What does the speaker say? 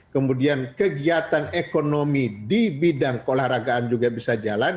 kemudian kegiatan ekonomi di bidang keolahragaan juga bisa jalan